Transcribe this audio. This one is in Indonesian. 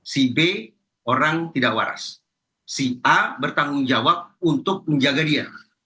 si b orang tidak waras si a bertanggung jawab untuk menjaga dia